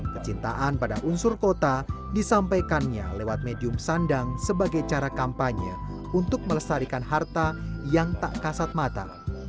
kecintaan pada unsur kota disampaikannya lewat medium sandang sebagai cara kampanye untuk melestarikan harta yang tak kasat mata